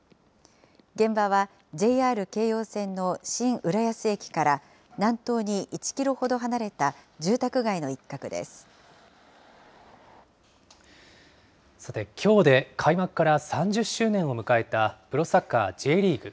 現場はＪＲ京葉線の新浦安駅から南東に１キロほど離れた住宅街のさて、きょうで開幕から３０周年を迎えたプロサッカー・Ｊリーグ。